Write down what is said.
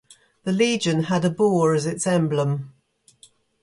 The legion had a boar as its emblem.